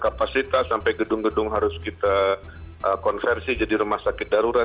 kapasitas sampai gedung gedung harus kita konversi jadi rumah sakit darurat